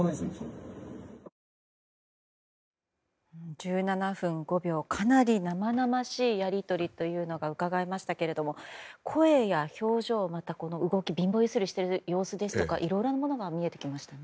１７分５秒かなり生々しいやり取りというのがうかがえましたけども声や表情また動き、貧乏ゆすりしている様子ですとかいろいろなものが見えてきましたね。